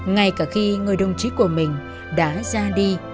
ngay cả khi người đồng chí của mình đã ra đi